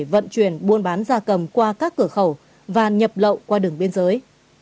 vận chuyển buôn bán gia cầm qua các cửa khẩu và nhập lậu qua đường biên giới